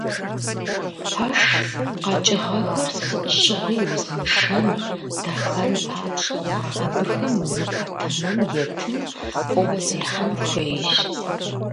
Пэш къэкӏыгъэхэр сыт щыгъуи узыншэн, дахэн папщӏэ, абыхэм увыпӏэ тэмэм етын, фӏыуэ зехьэн хуейщ.